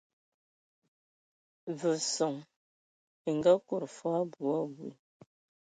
Ve son e ngaakud foo abui abui.